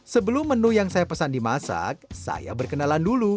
sebelum menu yang saya pesan dimasak saya berkenalan dulu